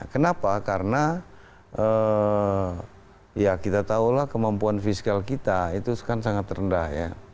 kenapa karena kita tahulah kemampuan fiskal kita itu sangat rendah